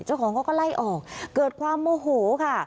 เจ้าของเขาก็ไล่ออกเกิดความโมโหค่ะ